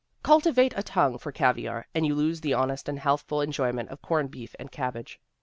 Cul tivate a tongue for caviar and you lose the honest and healthful enjoyment of corned beef and cabbage.